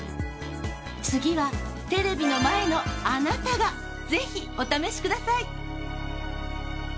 次はテレビの前のあなたがぜひお試しください。